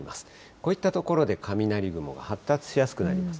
こういった所で雷雲、発達しやすくなります。